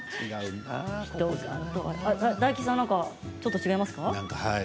大吉さん、なんかちょっと違いますか？